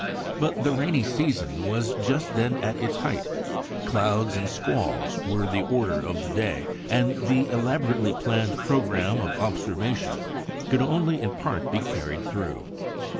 But the rainy season was just then at its height: clouds and squalls were the order of the day; and the elaborately planned programme of observation could only in part be carried through.